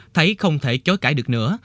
thấy không thể chối cãi được nữa